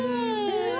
うわ！